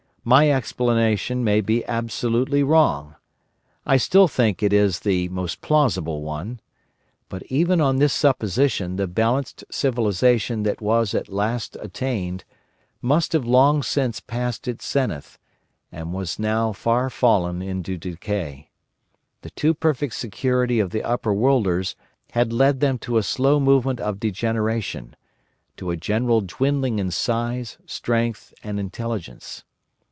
My explanation may be absolutely wrong. I still think it is the most plausible one. But even on this supposition the balanced civilisation that was at last attained must have long since passed its zenith, and was now far fallen into decay. The too perfect security of the Overworlders had led them to a slow movement of degeneration, to a general dwindling in size, strength, and intelligence.